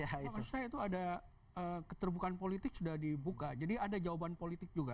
menurut saya itu ada keterbukaan politik sudah dibuka jadi ada jawaban politik juga